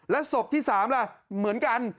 แล้วศพที่๓ล่ะเหมือนกัน